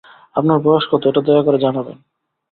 আপনার বয়স কত, এটা দয়া করে জানাবেন।